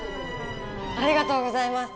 ありがとうございます！